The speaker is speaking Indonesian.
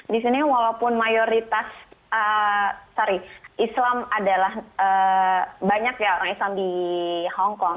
di sini walaupun mayoritas sorry islam adalah banyak ya orang islam di hongkong